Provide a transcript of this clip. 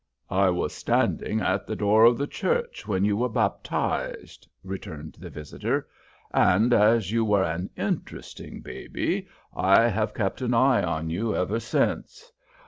"I was standing at the door of the church when you were baptized," returned the visitor, "and as you were an interesting baby, I have kept an eye on you ever since.